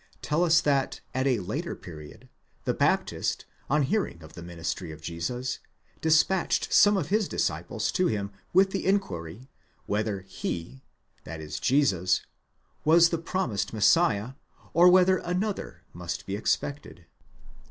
tell us that at a later period, the Baptist, on hearing of the ministry of Jesus, despatched some of his disciples to him with the inquiry, whether he (Jesus) was the promised Messiah, or whether an other must be expected.